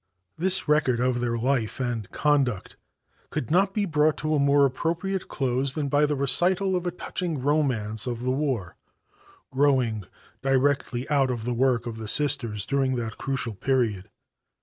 This record of their life and conduct could not be brought to a more appropriate close than by the recital of a touching romance of the war, growing directly out of the work of the Sisters during that crucial period.